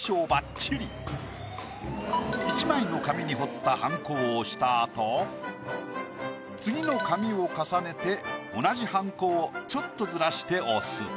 １枚の紙に彫ったはんこを押した後次の紙を重ねて同じはんこをちょっとズラして押す。